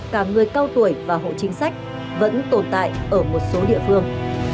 cả người cao tuổi và hộ chính sách vẫn tồn tại ở một số địa phương